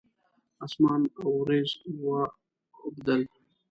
اسمان اوریځ واوبدل